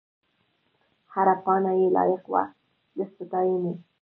هره پاڼه یې لایق وه د ستاینې.